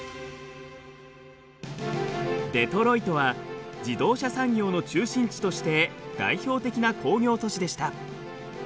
デトロイトは自動車産業の中心地として代表的な工業都市でした。